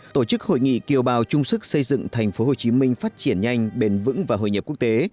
tổ chức hội nghị kiều bào trung sức xây dựng thành phố hồ chí minh phát triển nhanh bền vững và hội nhập quốc tế